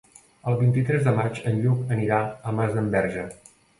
El vint-i-tres de maig en Lluc anirà a Masdenverge.